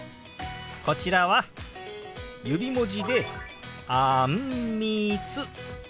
こちらは指文字で「あんみつ」。